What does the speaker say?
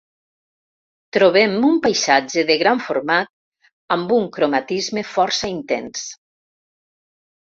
Trobem un paisatge de gran format amb un cromatisme força intens.